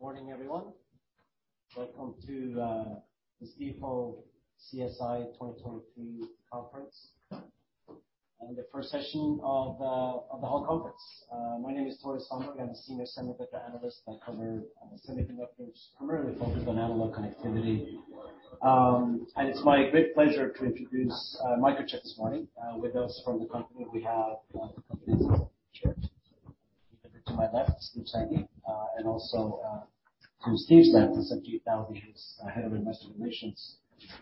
All right. Good morning, everyone. Welcome to the Stifel CSI 2023 Conference, and the first session of the whole conference. My name is Tore Svanberg. I'm a senior semiconductor analyst. I cover semiconductors, primarily focused on analog connectivity. It's my great pleasure to introduce Microchip this morning. With us from the company, we have one of the company's chair to my left, Steve Sanghi, and also to Steve's left is Sajid Daudi, who's Head of Investor Relations.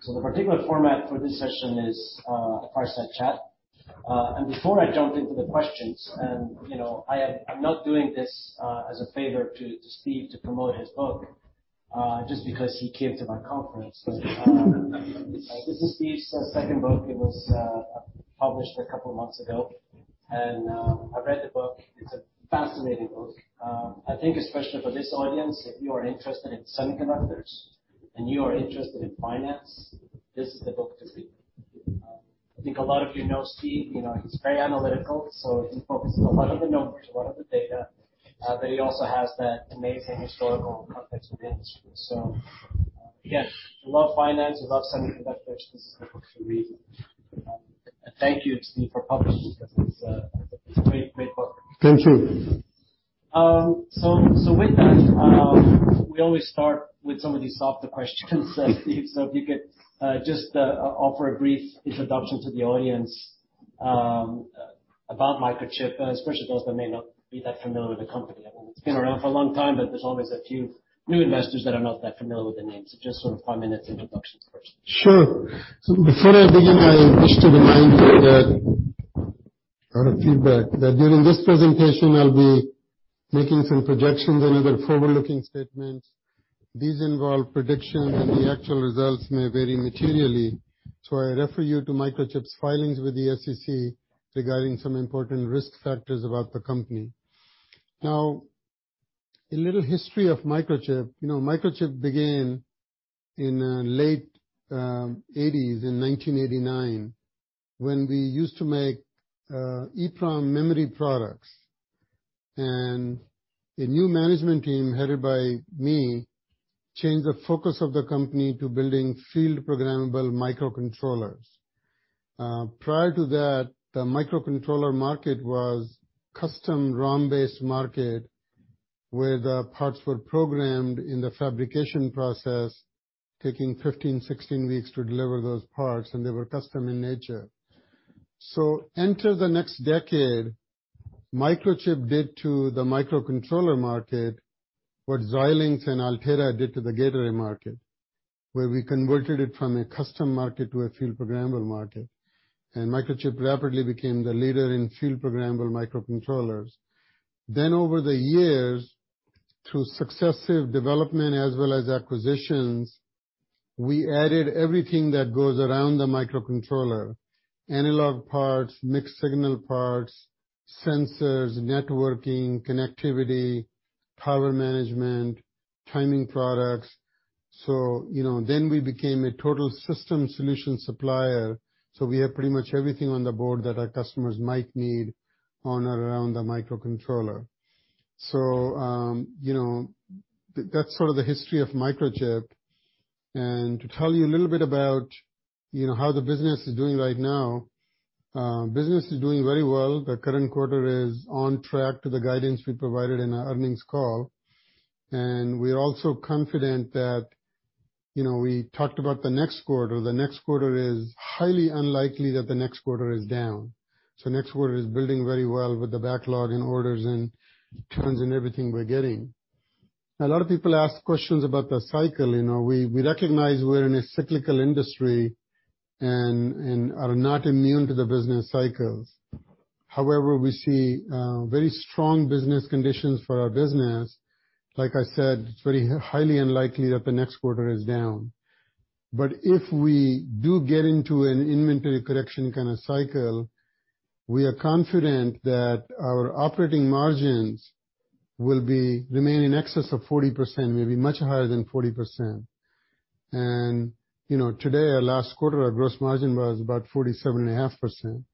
The particular format for this session is fireside chat. Before I jump into the questions, you know, I'm not doing this as a favor to Steve to promote his book just because he came to my conference. This is Steve's second book. It was published a couple months ago. I read the book. It's a fascinating book. I think especially for this audience, if you are interested in semiconductors, and you are interested in finance, this is the book to read. I think a lot of you know Steve, you know, he's very analytical, so he focuses a lot on the numbers, a lot on the data, but he also has that amazing historical context of the industry. Again, if you love finance, you love semiconductors, this is the book to read. Thank you, Steve, for publishing, 'cause it's a great book. Thank you. With that, we always start with some of these softer questions, Steve, so if you could just offer a brief introduction to the audience about Microchip, especially those that may not be that familiar with the company. I mean, it's been around for a long time, but there's always a few new investors that are not that familiar with the name, so just sort of five minutes introduction first. Sure. Before I begin, I wish to remind you that a lot of feedback, that during this presentation, I'll be making some projections and other forward-looking statements. These involve predictions, and the actual results may vary materially, so I refer you to Microchip's filings with the SEC regarding some important risk factors about the company. A little history of Microchip. You know, Microchip began in late 80's, in 1989, when we used to make EEPROM memory products. A new management team, headed by me, changed the focus of the company to building field programmable microcontrollers. Prior to that, the microcontroller market was custom ROM-based market, where the parts were programmed in the fabrication process, taking 15, 16 weeks to deliver those parts, and they were custom in nature. Enter the next decade, Microchip did to the microcontroller market what Xilinx and Altera did to the high-end market, where we converted it from a custom market to a field programmable market. Microchip rapidly became the leader in field programmable microcontrollers. Over the years, through successive development as well as acquisitions, we added everything that goes around the microcontroller: analog parts, mixed signal parts, sensors, networking, connectivity, power management, timing products. You know, then we became a total system solution supplier, so we have pretty much everything on the board that our customers might need on or around the microcontroller. You know, that's sort of the history of Microchip. To tell you a little bit about, you know, how the business is doing right now, business is doing very well. The current quarter is on track to the guidance we provided in our earnings call, and we're also confident that, you know, we talked about the next quarter. The next quarter is highly unlikely that the next quarter is down. Next quarter is building very well with the backlog in orders and trends and everything we're getting. A lot of people ask questions about the cycle. You know, we recognize we're in a cyclical industry and are not immune to the business cycles. However, we see very strong business conditions for our business. Like I said, it's very highly unlikely that the next quarter is down. If we do get into an inventory correction kind of cycle, we are confident that our operating margins will be remain in excess of 40%, maybe much higher than 40%. You know, today, our last quarter, our gross margin was about 47.5%.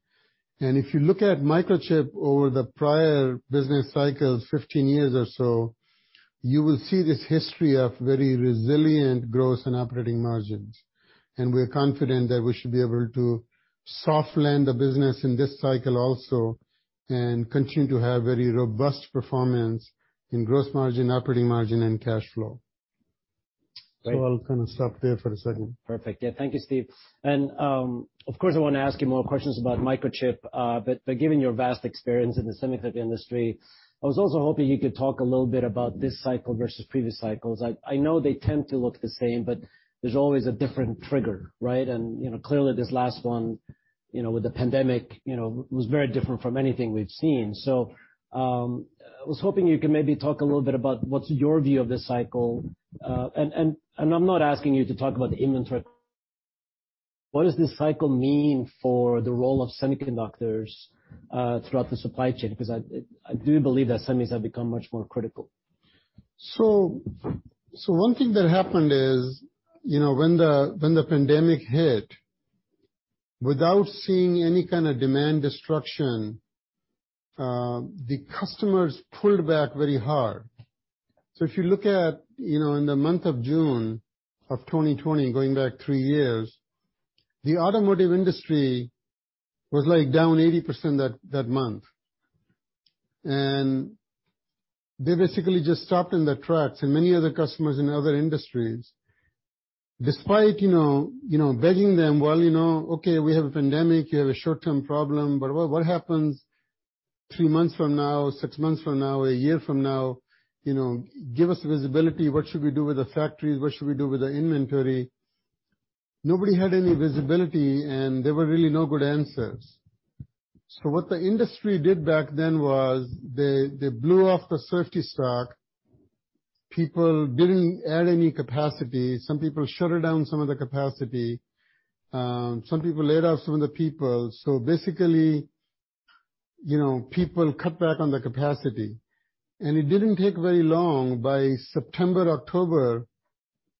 If you look at Microchip over the prior business cycles, 15 years or so, you will see this history of very resilient gross and operating margins, and we're confident that we should be able to soft land the business in this cycle also and continue to have very robust performance in gross margin, operating margin, and cash flow. Great. I'll kind of stop there for a second. Perfect. Yeah. Thank you, Steve. Of course, I want to ask you more questions about Microchip, but given your vast experience in the semiconductor industry, I was also hoping you could talk a little bit about this cycle versus previous cycles. I know they tend to look the same, but there's always a different trigger, right? You know, clearly this last one, you know, with the pandemic, you know, was very different from anything we've seen. I was hoping you could maybe talk a little bit about what's your view of this cycle. And I'm not asking you to talk about the inventory. What does this cycle mean for the role of semiconductors throughout the supply chain? Because I do believe that semis have become much more critical. One thing that happened is, you know, when the pandemic hit without seeing any kind of demand destruction, the customers pulled back very hard. If you look at, you know, in the month of June of 2020, going back three years, the automotive industry was, like, down 80% that month. They basically just stopped in their tracks, and many other customers in other industries, despite, you know, begging them: "Well, you know, okay, we have a pandemic. You have a short-term problem, but what happens three months from now, six months from now, one year from now? You know, give us visibility. What should we do with the factories? What should we do with the inventory?" Nobody had any visibility, and there were really no good answers. What the industry did back then was they blew off the safety stock. People didn't add any capacity. Some people shuttered down some of the capacity. Some people laid off some of the people. Basically, you know, people cut back on the capacity. It didn't take very long. By September, October,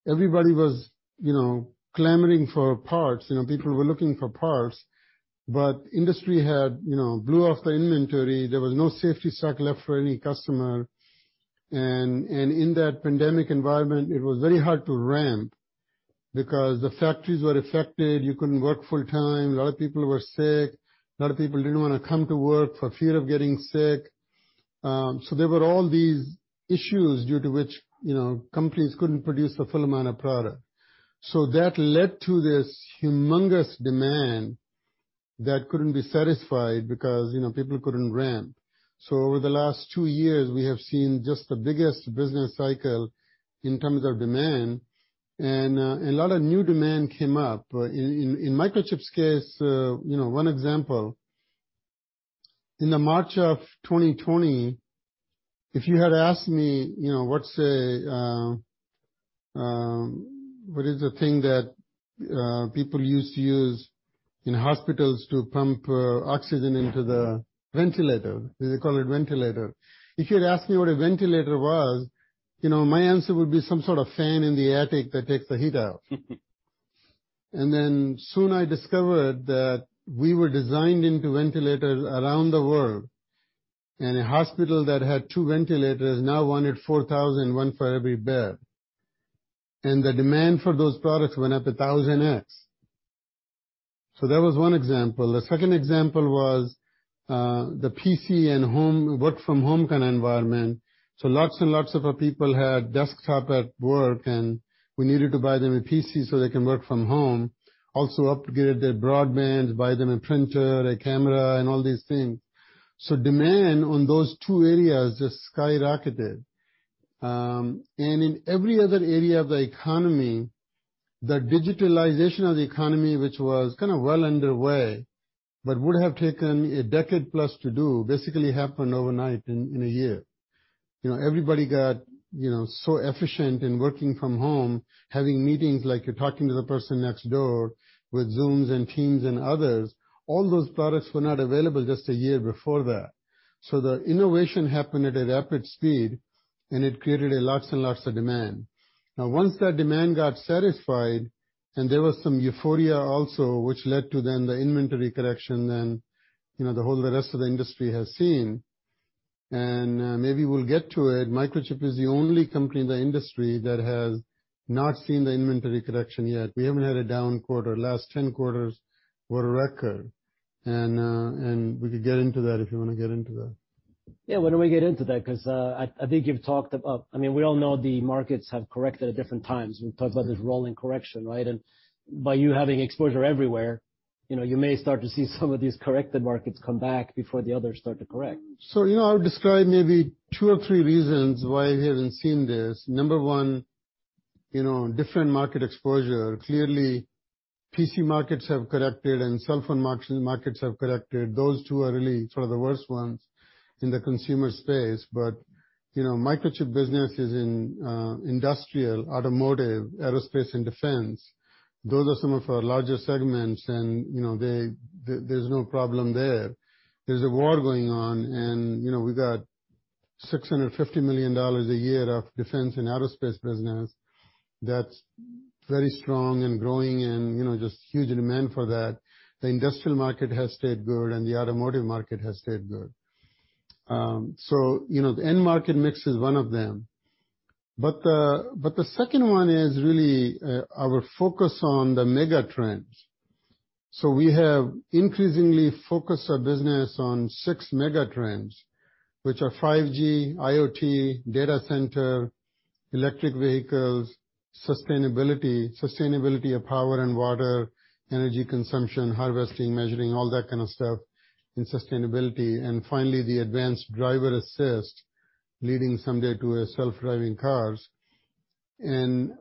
everybody was, you know, clamoring for parts. You know, people were looking for parts, but industry had, you know, blew off the inventory. There was no safety stock left for any customer. In that pandemic environment, it was very hard to ramp because the factories were affected. You couldn't work full-time. A lot of people were sick. A lot of people didn't wanna come to work for fear of getting sick. There were all these issues due to which, you know, companies couldn't produce a full amount of product. That led to this humongous demand that couldn't be satisfied because, you know, people couldn't ramp. Over the last two years, we have seen just the biggest business cycle in terms of demand, and a lot of new demand came up. In Microchip's case, you know, one example, in the March of 2020, if you had asked me, you know, what is the thing that people used to use in hospitals to pump oxygen into the ventilator? Do they call it ventilator? If you had asked me what a ventilator was, you know, my answer would be some sort of fan in the attic that takes the heat out. Soon I discovered that we were designed into ventilators around the world. A hospital that had two ventilators now wanted 4,000, one for every bed. The demand for those products wet up 1,000x. That was one example. The second example was, the PC and home, work from home kind of environment. Lots and lots of our people had desktop at work, and we needed to buy them a PC so they can work from home, also upgraded their broadband, buy them a printer, a camera, and all these things. Demand on those two areas just skyrocketed. In every other area of the economy, the digitalization of the economy, which was kind of well underway but would have taken a decade-plus to do, basically happened overnight in a year. You know, everybody got, you know, so efficient in working from home, having meetings like you're talking to the person next door, with Zooms and Teams and others. All those products were not available just a year before that. The innovation happened at a rapid speed, and it created a lots and lots of demand. Once that demand got satisfied, and there was some euphoria also, which led to then the inventory correction and, you know, the whole rest of the industry has seen, maybe we'll get to it, Microchip is the only company in the industry that has not seen the inventory correction yet. We haven't had a down quarter. Last 10 quarters were a record, and we could get into that if you wanna get into that. Yeah, why don't we get into that? 'Cause, I think you've talked about, I mean, we all know the markets have corrected at different times. We've talked about this rolling correction, right? By you having exposure everywhere, you know, you may start to see some of these corrected markets come back before the others start to correct. You know, I'll describe maybe two or three reasons why we haven't seen this. Number one, you know, different market exposure. Clearly, PC markets have corrected, and cell phone markets have corrected. Those two are really sort of the worst ones in the consumer space. You know, Microchip business is in industrial, automotive, aerospace, and defense. Those are some of our larger segments, and, you know, there's no problem there. There's a war going on, and, you know, we've got $650 million a year of defense and aerospace business that's very strong and growing and, you know, just huge demand for that. The industrial market has stayed good, and the automotive market has stayed good. You know, the end market mix is one of them. The second one is really our focus on the mega trends. We have increasingly focused our business on six mega trends, which are 5G, IoT, data center, electric vehicles, sustainability of power and water, energy consumption, harvesting, measuring, all that kind of stuff in sustainability, and finally, the Advanced Driver Assist, leading someday to self-driving cars. 45%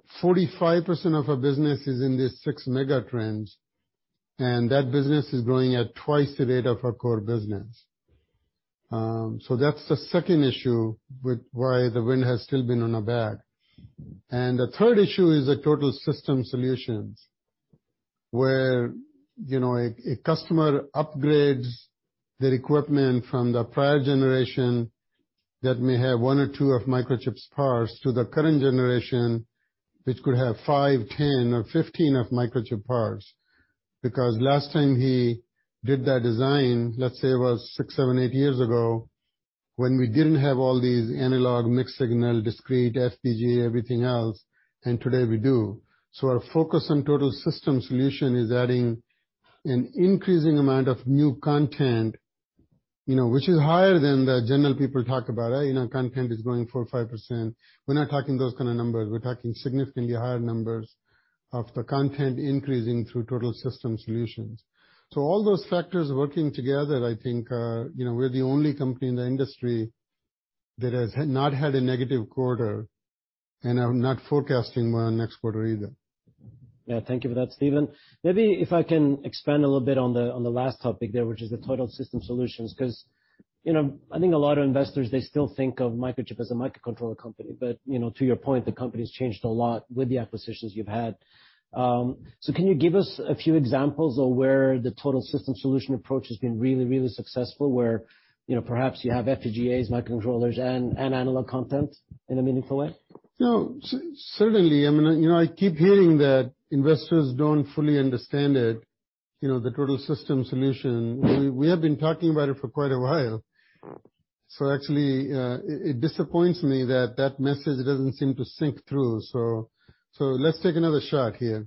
of our business is in these six mega trends, and that business is growing at 2x the rate of our core business. That's the second issue with why the wind has still been on our back. The third issue is the total system solutions, where, you know, a customer upgrades their equipment from the prior generation that may have one or two of Microchip's parts to the current generation, which could have five, 10, or 15 of Microchip parts. Last time he did that design, let's say it was six, seven, eight years ago, when we didn't have all these analog, mixed signal, discrete, FPGA, everything else, and today we do. Our focus on total system solution is adding an increasing amount of new content, you know, which is higher than the general people talk about, you know, content is growing 4%, 5%. We're not talking those kind of numbers. We're talking significantly higher numbers of the content increasing through total system solutions. All those factors working together, I think, you know, we're the only company in the industry that has not had a negative quarter, and I'm not forecasting one next quarter either. Yeah, thank you for that, Steven. Maybe if I can expand a little bit on the, on the last topic there, which is the total system solutions, 'cause, you know, I think a lot of investors, they still think of Microchip as a microcontroller company, but, you know, to your point, the company's changed a lot with the acquisitions you've had. Can you give us a few examples of where the total system solution approach has been really, really successful, where, you know, perhaps you have FPGAs, microcontrollers, and analog content in a meaningful way? No, certainly, I mean, you know, I keep hearing that investors don't fully understand it, you know, the total system solution. We have been talking about it for quite a while. Actually, it disappoints me that that message doesn't seem to sink through, so let's take another shot here.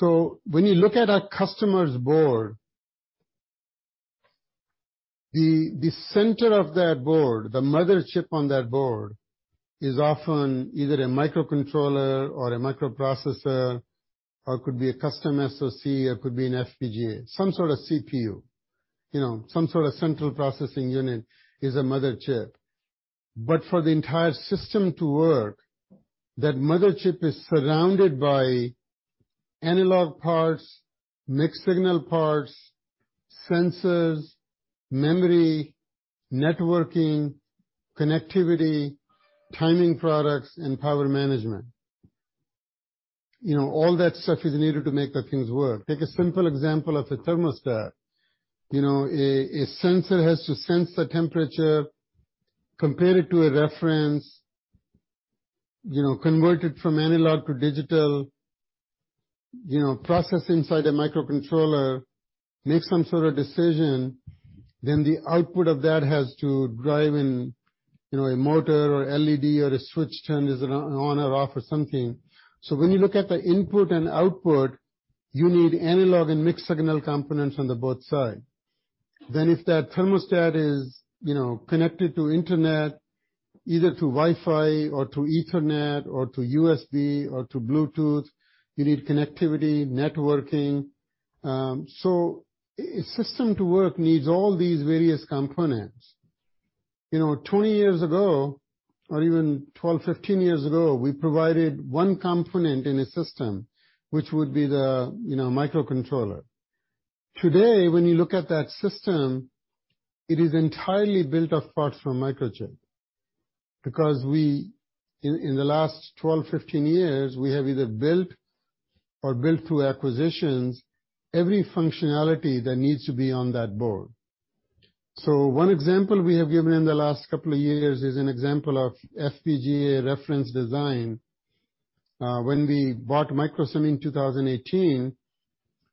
When you look at a customer's board, the center of that board, the mother chip on that board, is often either a microcontroller or a microprocessor, or it could be a custom SOC, it could be an FPGA, some sort of CPU. You know, some sort of central processing unit is a mother chip. For the entire system to work, that mother chip is surrounded by analog parts, mixed signal parts, sensors, memory, networking, connectivity, timing products, and power management. You know, all that stuff is needed to make the things work. Take a simple example of a thermostat. You know, a sensor has to sense the temperature, compare it to a reference, you know, convert it from analog to digital, you know, process inside a microcontroller, make some sort of decision, then the output of that has to drive in a motor or LED, or a switch turn is on or off or something. When you look at the input and output, you need analog and mixed signal components on the both side. If that thermostat is, you know, connected to internet, either through Wi-Fi or through Ethernet, or through USB, or through Bluetooth, you need connectivity, networking. A system to work needs all these various components. You know, 20 years ago, or even 12, 15 years ago, we provided one component in a system, which would be the, you know, microcontroller. Today, when you look at that system, it is entirely built of parts from Microchip. We, in the last 12, 15 years, we have either built or built through acquisitions, every functionality that needs to be on that board. One example we have given in the last couple of years is an example of FPGA reference design. When we bought Microsemi in 2018,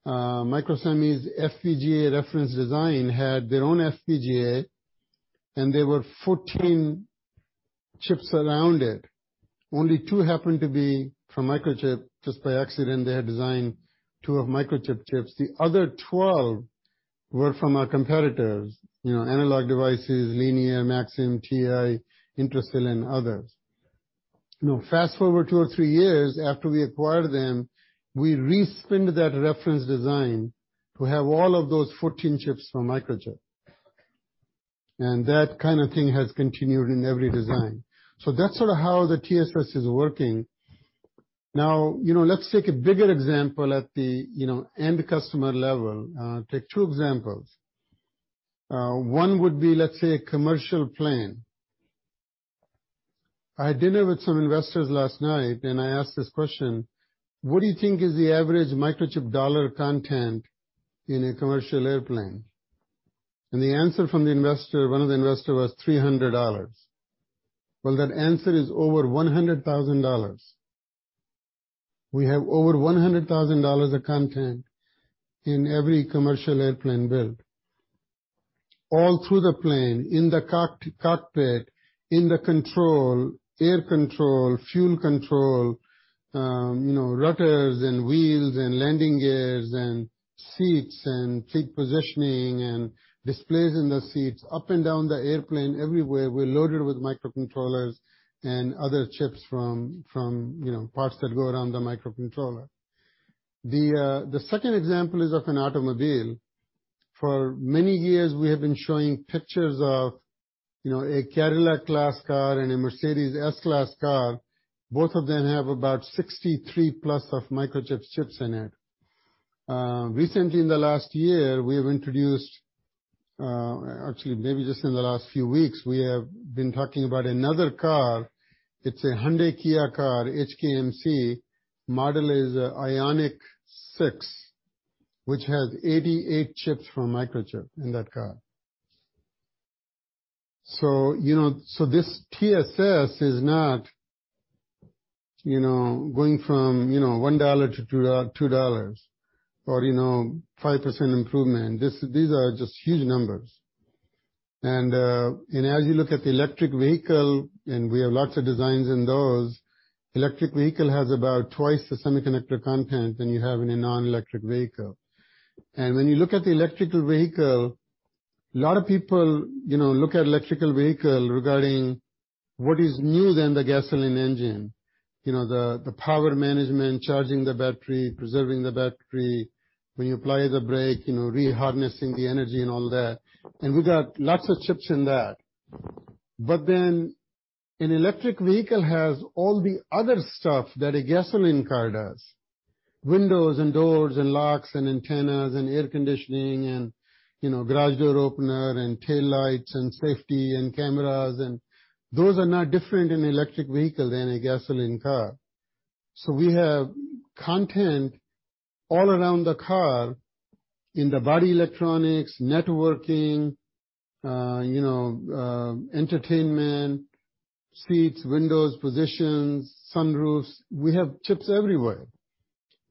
Microsemi's FPGA reference design had their own FPGA, and there were 14 chips around it. Only two happened to be from Microchip. Just by accident, they had designed two of Microchip chips. The other 12 were from our competitors, you know, Analog Devices, Linear, Maxim, TI, Intersil, and others. Fast-forward two or three years after we acquired them, we re-spinned that reference design to have all of those 14 chips from Microchip. That kind of thing has continued in every design. That's sort of how the TSS is working. You know, let's take a bigger example at the, you know, end customer level. Take two examples. One would be, let's say, a commercial plane. I had dinner with some investors last night, and I asked this question: What do you think is the average Microchip dollar content in a commercial airplane? The answer from the investor, one of the investors, was $300. Well, that answer is over $100,000. We have over $100,000 of content in every commercial airplane built. All through the plane, in the cockpit, in the control, air control, fuel control, you know, rudders and wheels and landing gears and seats and seat positioning and displays in the seats. Up and down the airplane, everywhere, we're loaded with microcontrollers and other chips from, you know, parts that go around the microcontroller. The second example is of an automobile. For many years, we have been showing pictures of, you know, a Cadillac class car and a Mercedes-Benz S-Class car. Both of them have about 63+ of Microchip's chips in it. Recently in the last year, we have introduced, actually, maybe just in the last few weeks, we have been talking about another car. It's a Hyundai Kia car, HKMC. Model is, IONIQ 6. which has 88 chips from Microchip in that car. This TSS is not, you know, going from, you know, $1-$2 or, you know, 5% improvement. These are just huge numbers. As you look at the electric vehicle, and we have lots of designs in those, electric vehicle has about twice the semiconductor content than you have in a non-electric vehicle. When you look at the electrical vehicle, a lot of people, you know, look at electrical vehicle regarding what is new than the gasoline engine. You know, the power management, charging the battery, preserving the battery, when you apply the brake, you know, reharnessing the energy and all that, and we got lots of chips in that. An electric vehicle has all the other stuff that a gasoline car does: windows and doors and locks and antennas and air conditioning and, you know, garage door opener and taillights and safety and cameras, and those are not different in an electric vehicle than a gasoline car. We have content all around the car, in the body electronics, networking, you know, entertainment, seats, windows, positions, sun roofs. We have chips everywhere.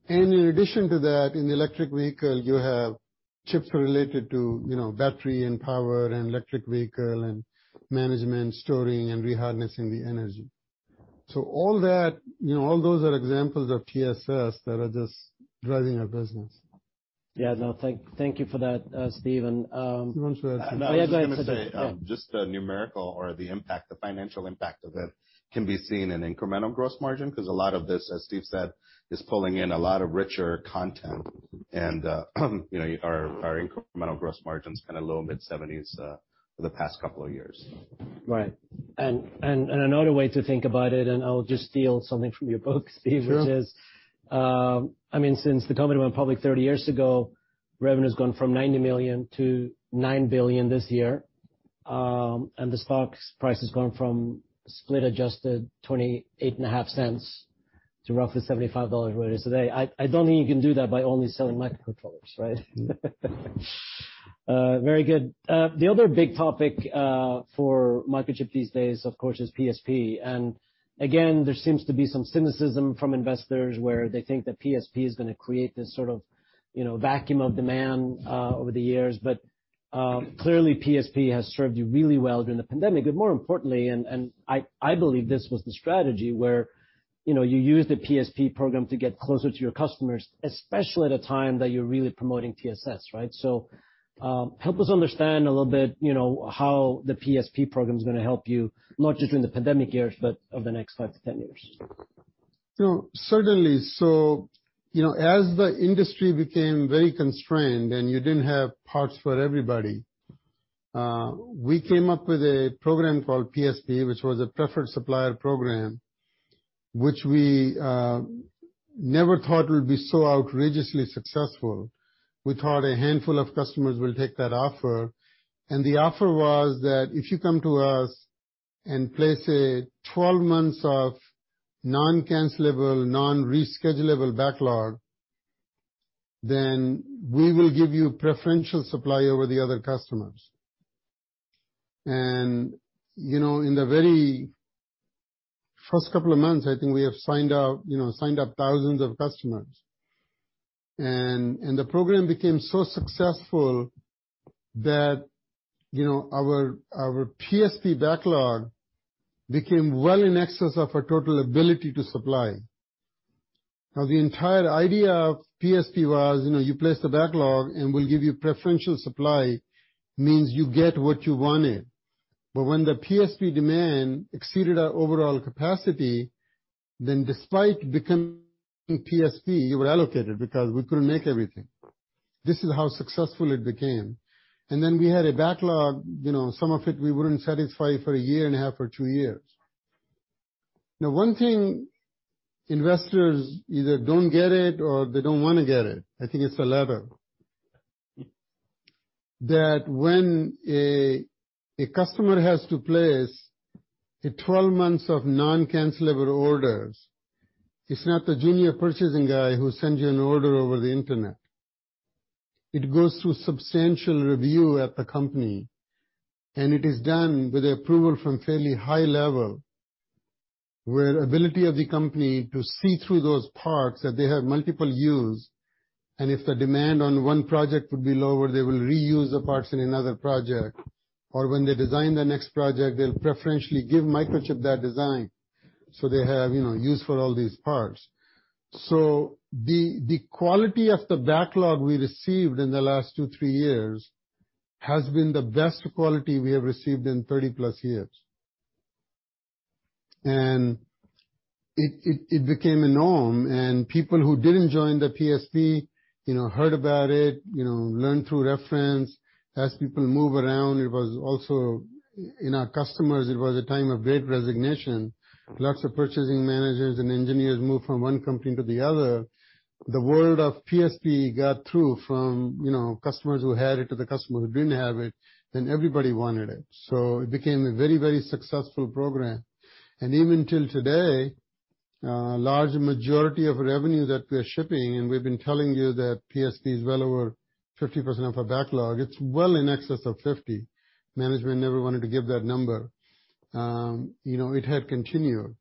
In addition to that, in the electric vehicle, you have chips related to, you know, battery and power and electric vehicle and management, storing, and reharnessing the energy. All that, you know, all those are examples of TSS that are just driving our business. Yeah. No, thank you for that, Steve. Steve, do you want to add something? I was going to say, just the numerical or the impact, the financial impact of it, can be seen in incremental gross margin, 'cause a lot of this, as Steve said, is pulling in a lot of richer content. You know, our incremental gross margin is kind of low mid-70s for the past couple of years. Right. Another way to think about it, and I'll just steal something from your book, Steve. Sure... which is, I mean, since the company went public 30 years ago, revenue's gone from $90 million to $9 billion this year. The stock's price has gone from split-adjusted $0.285 to roughly $75 where it is today. I don't think you can do that by only selling microcontrollers, right? Very good. The other big topic for Microchip these days, of course, is PSP. Again, there seems to be some cynicism from investors, where they think that PSP is gonna create this sort of, you know, vacuum of demand over the years. Clearly, PSP has served you really well during the pandemic. More importantly, and I believe this was the strategy where, you know, you use the PSP program to get closer to your customers, especially at a time that you're really promoting TSS, right? help us understand a little bit, you know, how the PSP program is gonna help you, not just during the pandemic years, but over the next five to 10 years. Certainly. You know, as the industry became very constrained and you didn't have parts for everybody, we came up with a program called PSP, which was a Preferred Supply Program, which we never thought would be so outrageously successful. We thought a handful of customers will take that offer. The offer was that if you come to us and place a 12 months of non-cancellable, non-reschedulable backlog, then we will give you preferential supply over the other customers. You know, in the very first couple of months, I think we have signed up thousands of customers. The program became so successful that, you know, our PSP backlog became well in excess of our total ability to supply. The entire idea of PSP was, you know, you place the backlog, and we'll give you preferential supply, means you get what you wanted. When the PSP demand exceeded our overall capacity, then despite becoming PSP, you were allocated because we couldn't make everything. This is how successful it became. Then we had a backlog, you know, some of it we wouldn't satisfy for a year and a half or two years. One thing investors either don't get it or they don't wanna get it, I think it's the latter, that when a customer has to place a 12 months of non-cancellable orders, it's not the junior purchasing guy who sends you an order over the internet. It goes through substantial review at the company, and it is done with the approval from fairly high level, where ability of the company to see through those parts, that they have multiple use, and if the demand on one project would be lower, they will reuse the parts in another project, or when they design the next project, they'll preferentially give Microchip that design, so they have, you know, use for all these parts. The quality of the backlog we received in the last two, 3three years has been the best quality we have received in 30+ years. It became a norm, and people who didn't join the PSP, you know, heard about it, you know, learned through reference. As people move around, it was also. In our customers, it was a time of great resignation. Lots of purchasing managers and engineers moved from one company to the other. The word of PSP got through from, you know, customers who had it to the customers who didn't have it, everybody wanted it. It became a very, very successful program. Even till today, large majority of revenue that we are shipping, and we've been telling you that PSP is well over 50% of our backlog. It's well in excess of 50. Management never wanted to give that number. You know, it had continued.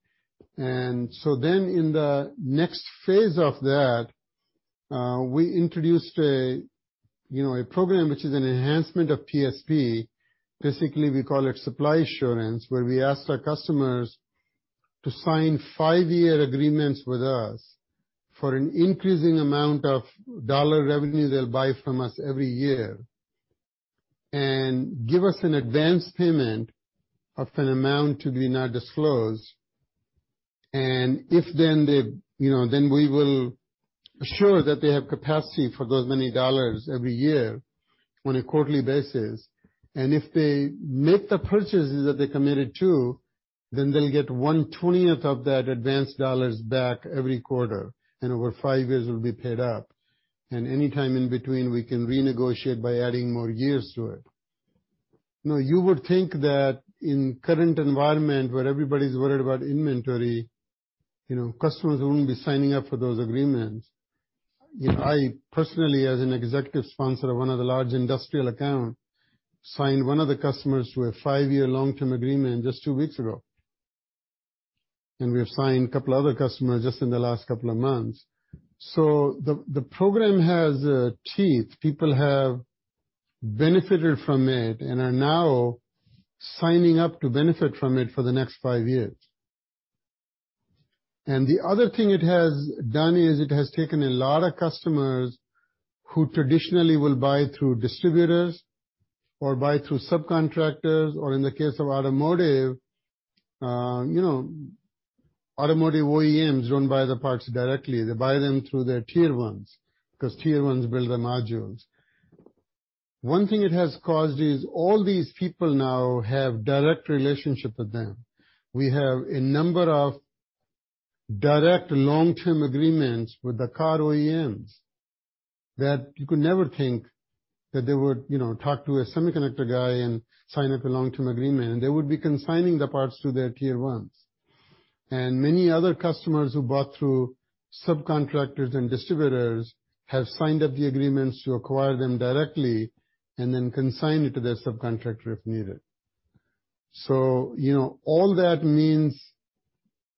In the next phase of that, we introduced a, you know, a program which is an enhancement of PSP. Basically, we call it supply assurance, where we ask our customers to sign 5-year agreements with us for an increasing amount of dollar revenue they'll buy from us every year, and give us an advance payment of an amount to be not disclosed. If then they, you know, then we will assure that they have capacity for those many dollars every year on a quarterly basis, and if they make the purchases that they're committed to, then they'll get 1/20th of that advanced dollars back every quarter, and over five years will be paid up. Any time in between, we can renegotiate by adding more years to it. You would think that in current environment, where everybody's worried about inventory, you know, customers won't be signing up for those agreements. You know, I personally, as an executive sponsor of one of the large industrial account, signed one of the customers to a five-year long-term agreement just two weeks ago. We have signed a couple other customers just in the last couple of months. The program has teeth. People have benefited from it and are now signing up to benefit from it for the next five years. The other thing it has done is it has taken a lot of customers who traditionally will buy through distributors or buy through subcontractors, or in the case of automotive, you know, automotive OEMs don't buy the parts directly. They buy them through their tier ones, 'cause tier ones build the modules. One thing it has caused is all these people now have direct relationship with them. We have a number of direct long-term agreements with the car OEMs, that you could never think that they would, you know, talk to a semiconductor guy and sign up a long-term agreement. They would be consigning the parts to their tier ones. Many other customers who bought through subcontractors and distributors have signed up the agreements to acquire them directly and then consign it to their subcontractor if needed. You know, all that means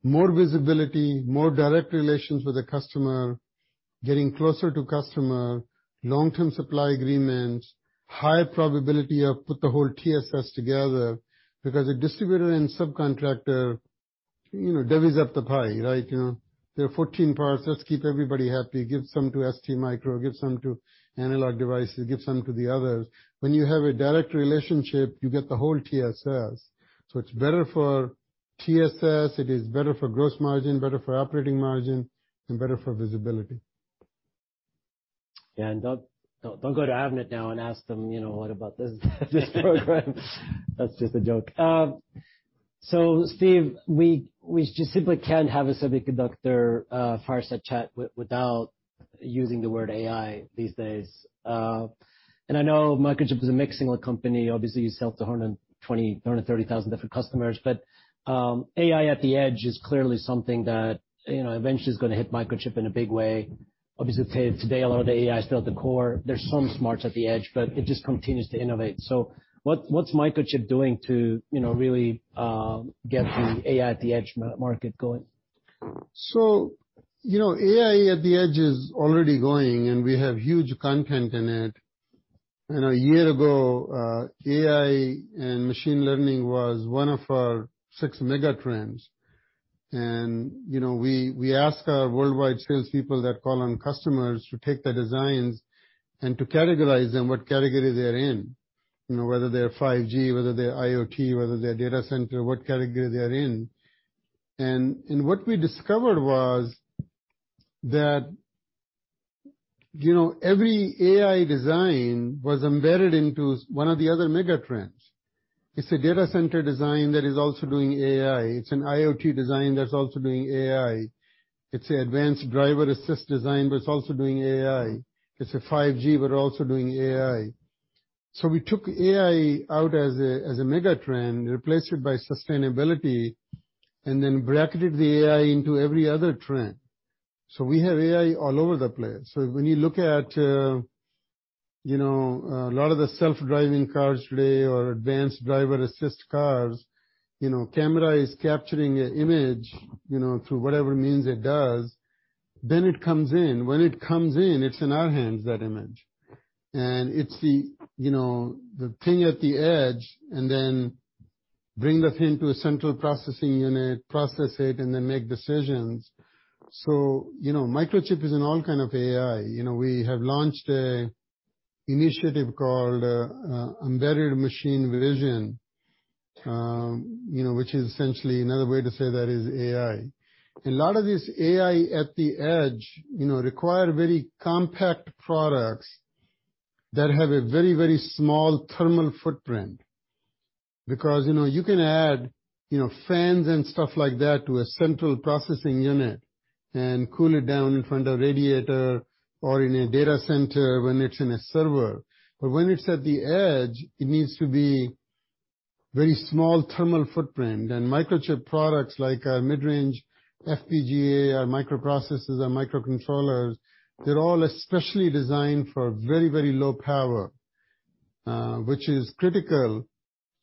more visibility, more direct relations with the customer, getting closer to customer, long-term supply agreements, higher probability of put the whole TSS together, because a distributor and subcontractor, you know, divvies up the pie, right? You know, there are 14 parts, let's keep everybody happy. Give some to STMicroelectronics, give some to Analog Devices, give some to the others. When you have a direct relationship, you get the whole TSS. It's better for TSS, it is better for gross margin, better for operating margin, and better for visibility. Yeah, and don't go to Avnet now and ask them, you know, what about this program? That's just a joke. Steve, we just simply can't have a semiconductor fireside chat without using the word AI these days. I know Microchip is a mixing company. Obviously, you sell to 120,000-130,000 different customers, AI at the Edge is clearly something that, you know, eventually is gonna hit Microchip in a big way. Obviously, today, a lot of the AI is still at the core. There's some smarts at the edge, it just continues to innovate. What's Microchip doing to, you know, really get the AI at the Edge market going? You know, AI at the Edge is already going, and we have huge content in it. A year ago, AI and machine learning was one of our six mega trends. You know, we ask our worldwide sales people that call on customers to take the designs and to categorize them, what category they're in, you know, whether they're 5G, whether they're IoT, whether they're data center, what category they're in. What we discovered was that, you know, every AI design was embedded into one of the other mega trends. It's a data center design that is also doing AI. It's an IoT design that's also doing AI. It's an advanced driver-assist design, but it's also doing AI. It's a 5G, but also doing AI. We took AI out as a mega trend, replaced it by sustainability, and then bracketed the AI into every other trend. We have AI all over the place. When you look at, you know, a lot of the self-driving cars today or advanced driver-assist cars, you know, camera is capturing an image, you know, through whatever means it does, then it comes in. When it comes in, it's in our hands, that image, and it's the thing at the edge, and then bring that thing to a central processing unit, process it, and then make decisions. You know, Microchip is in all kind of AI. You know, we have launched a initiative called Embedded Machine Vision, you know, which is essentially another way to say that is AI. A lot of this AI at the Edge, you know, require very compact products that have a very, very small thermal footprint, because, you know, you can add, you know, fans and stuff like that to a central processing unit and cool it down in front of a radiator or in a data center when it's in a server. When it's at the edge, it needs to be very small thermal footprint. Microchip products, like our mid-range FPGA, our microprocessors and microcontrollers, they're all especially designed for very, very low power, which is critical,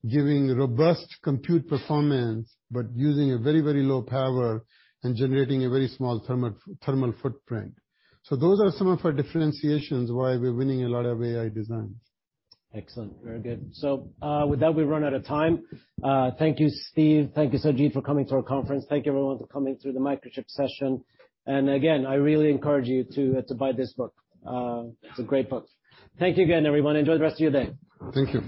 giving robust compute performance, but using a very, very low power and generating a very small thermal footprint. Those are some of our differentiations, why we're winning a lot of AI designs. Excellent. Very good. With that, we've run out of time. Thank you, Steve. Thank you, Sajid, for coming to our conference. Thank you, everyone, for coming through the Microchip session. Again, I really encourage you to buy this book. It's a great book. Thank you again, everyone. Enjoy the rest of your day. Thank you.